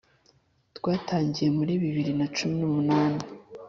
Twatangiye muri bibiri na cumi n’umunani,